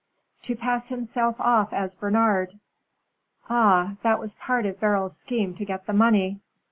"To pass himself off as Bernard." "Ah, that was part of Beryl's scheme to get the money."